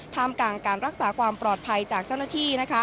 ท่ามกลางการรักษาความปลอดภัยจากเจ้าหน้าที่